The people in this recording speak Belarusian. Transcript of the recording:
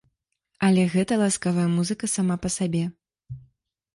Але гэта ласкавая музыка сама па сабе.